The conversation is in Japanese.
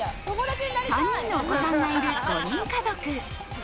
３人のお子さんがいる５人家族。